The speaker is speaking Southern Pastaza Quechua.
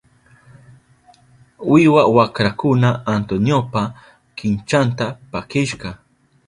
Wiwa wakrakuna Antoniopa kinchanta pakishka.